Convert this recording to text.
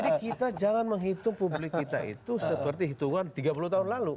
jadi kita jangan menghitung publik kita itu seperti hitungan tiga puluh tahun lalu